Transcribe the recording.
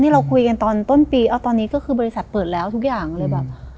เราคุยกันตอนต้นปีตอนนี้ก็คือบริษัทเปิดแล้วทุกอย่างเลยแบบ